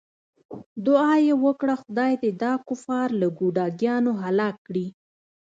دعا یې وکړه خدای دې دا کفار له ګوډاګیانو هلاک کړي.